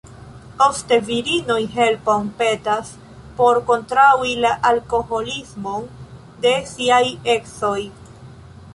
Ofte virinoj helpon petas por kontraŭi la alkoholismon de siaj edzoj.